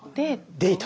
デート。